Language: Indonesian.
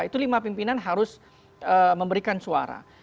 itu lima pimpinan harus memberikan suara